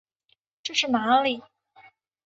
这是哪里？